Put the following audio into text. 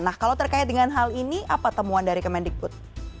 nah kalau terkait dengan hal ini apa temuan dari kemendikbud